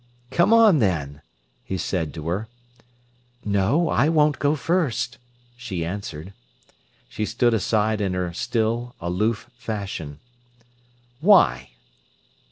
"Come on, then," he said to her. "No, I won't go first," she answered. She stood aside in her still, aloof fashion. "Why?"